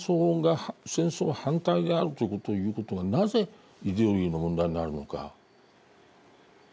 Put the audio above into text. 戦争反対であるということを言うことがなぜイデオロギーの問題になるのか。